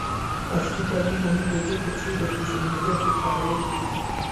عصري تعلیم مهم دی ځکه چې د سوشل میډیا ښه کارول ښيي.